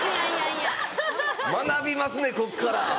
学びますねこっから。